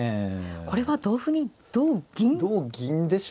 これは同歩に同銀ですか。